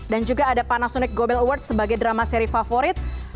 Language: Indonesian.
dan juga ada panasonic gobel awards sebagai drama seri favorit